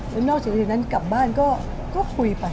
แล้วนอกจากนั้นกลับบ้านก็คุยไป